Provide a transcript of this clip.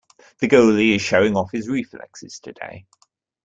The goalie is showing off his reflexes today.